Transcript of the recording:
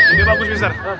ini bagus mister